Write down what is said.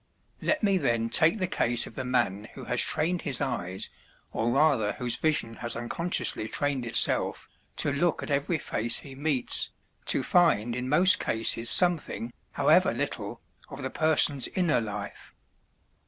Let me then take the case of the man who has trained his eyes, or rather whose vision has unconsciously trained itself, to look at every face he meets, to find in most cases something, however little, of the person's inner life.